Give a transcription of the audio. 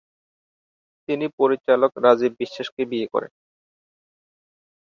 তিনি পরিচালক রাজিব বিশ্বাসকে বিয়ে করেন।